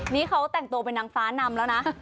นี่เขาแต่งตัวเป็นนางฟ้านำแล้วนะ